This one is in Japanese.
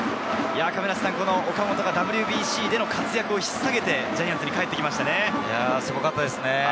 岡本がＷＢＣでの活躍を引っさげてジャイアンツに帰ってきましたすごかったですね。